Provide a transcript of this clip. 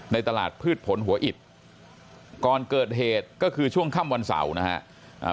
ในตลาดพืชผลหัวอิดก่อนเกิดเหตุก็คือช่วงค่ำวันเสาร์นะครับ